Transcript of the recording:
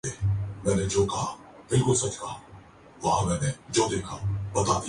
عروج فاطمہ کی علی ظفر کے ساتھ لیلی او لیلی کے ذریعے انٹری